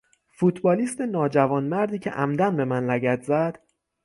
فوتبالیست ناجوانمردی که عمدا به من لگد زد